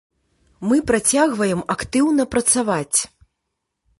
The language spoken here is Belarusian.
Мы працягваем актыўна працаваць.